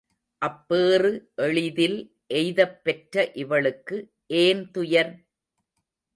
அப்பேறு எளிதில் எய்தப் பெற்ற இவளுக்கு ஏன் துயர்?